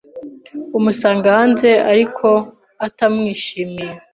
amusanga hanze ariko atamwishimiye